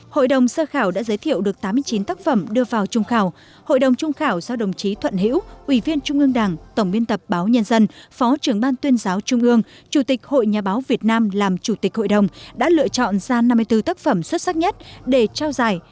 hội đồng sơ khảo đã giới thiệu được tám mươi chín tác phẩm đưa vào trung khảo hội đồng trung khảo do đồng chí thuận hiễu ủy viên trung ương đảng tổng biên tập báo nhân dân phó trưởng ban tuyên giáo trung ương chủ tịch hội nhà báo việt nam làm chủ tịch hội đồng đã lựa chọn ra năm mươi bốn tác phẩm xuất sắc nhất để trao giải